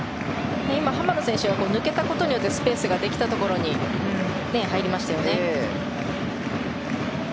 浜野選手、抜けたことによってスペースができたところに入りましたよね。